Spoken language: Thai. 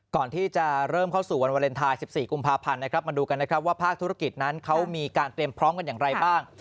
ก่อนที่จะเริ่มเข้าสู่วันวาเลนไทย๑๔กุมภาพันธ์นะครับมาดูกันนะครับว่าภาคธุรกิจนั้นเขามีการเตรียมพร้อมกันอย่างไรบ้าง